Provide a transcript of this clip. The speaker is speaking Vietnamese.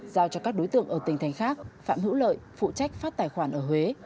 giao cho các đối tượng ở tỉnh thành khác phạm hữu lợi phụ trách phát tài khoản ở huế